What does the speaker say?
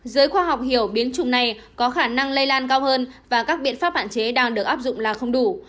giới khoa học hiểu biến trùng này có khả năng lây lan cao hơn và các biện pháp hạn chế đang được áp dụng là không đủ